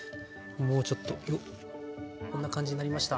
もうちょっとよっこんな感じになりました。